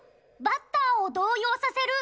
バッターを動揺させる。